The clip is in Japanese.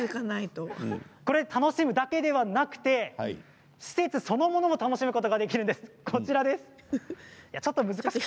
楽しむだけではなくて施設そのものを楽しむことができるんです。